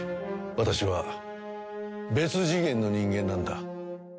私は別次元の人間なんだ。